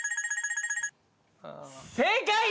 正解！